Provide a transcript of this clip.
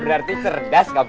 berarti cerdas kabu